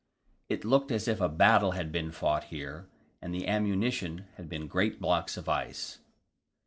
It looked as if a battle had been fought here, and the ammunition had been great blocks of ice.